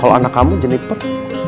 kalau anak kamu jenip pek